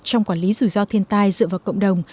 trong quản lý rủi ro thiên tai dựa vào cộng đồng